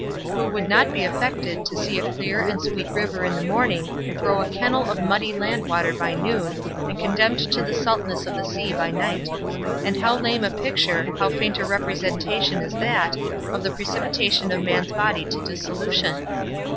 Who would not be affected to see a clear and sweet river in the morning, grow a kennel of muddy land water by noon, and condemned to the saltness of the sea by night? and how lame a picture, how faint a representation is that, of the precipitation of man's body to dissolution?